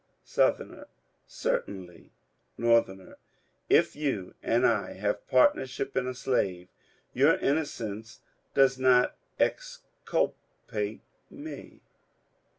Sou. — Certainly. Nor. — If you and I have partnership in a slave, your innocence does not exculpate me.